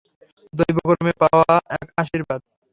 দৈবক্রমে পাওয়া এক আশীর্বাদ!